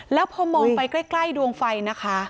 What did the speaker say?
แล้วพอมองไปใกล้ดวงไฟนะคะ